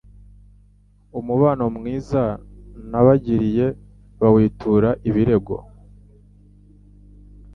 Umubano mwiza nabagiriye bawitura ibirego